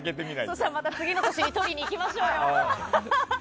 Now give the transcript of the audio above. そうしたらまた次の年に取りに行きましょうよ。